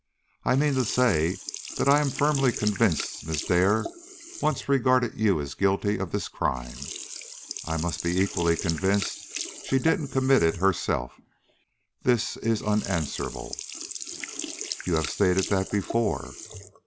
I mean to say that as I am firmly convinced Miss Dare once regarded you as guilty of this crime, I must be equally convinced she didn't commit it herself. This is unanswerable." "You have stated that before."